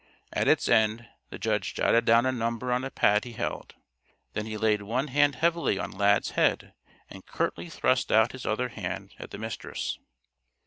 At its end the judge jotted down a number on a pad he held. Then he laid one hand heavily on Lad's head and curtly thrust out his other hand at the Mistress.